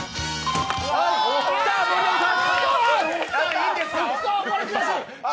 いいんですか！？